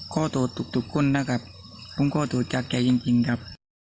เขาโทษทุกคนนะครับผมโทษทุกคนจากแก่จริงครับ